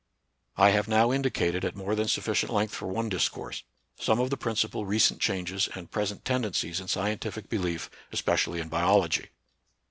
I have now indicated, at more than sufficient length for one discourse, some of the principal recent changes and present tendencies in scien tific belief, especially in biology.